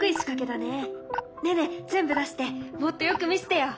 ねえねえ全部出してもっとよく見せてよ。